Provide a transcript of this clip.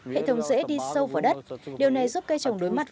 hệ thống dễ đi sâu vào đất điều này giúp cây trồng đối mặt